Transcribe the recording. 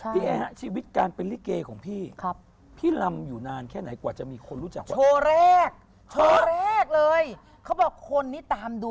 เขาบอกคนนี้ตามดูตั้งแต่โชว์แรกไหม